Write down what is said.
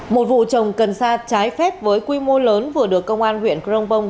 một vụ trồng cần xa trái phép với quy mô lớn vừa được công an huyện crong pong